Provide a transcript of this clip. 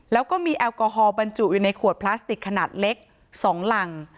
แล้วก็มีแอลกอฮอลบรรจุอยู่ในขวดพลาสติกขนาดเล็ก๒รัง